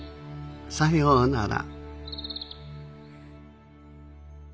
さようなら。